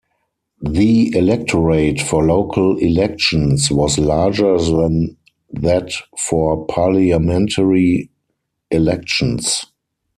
The electorate for local elections was larger than that for parliamentary elections.